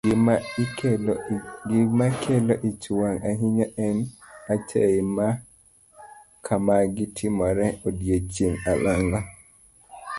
Gima kelo ich wang' ahinya en achaye ma kamagi timore odichieng' alanga.